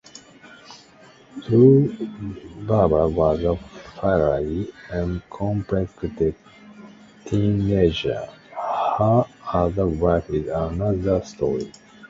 Though Barbara was a fairly uncomplicated teenager, her adult life is another story.